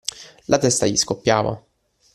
La testa gli scoppiava.